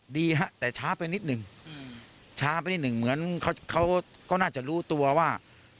ดีฮะแต่ช้าไปนิดนึงช้าไปนิดหนึ่งเหมือนเขาก็น่าจะรู้ตัวว่า